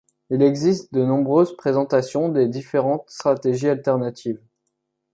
Il existe de nombreuses présentations des différentes stratégies alternatives.